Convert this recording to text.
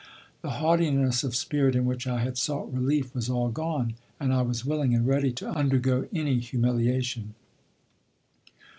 The haughtiness of spirit in which I had sought relief was all gone, and I was willing and ready to undergo any humiliation.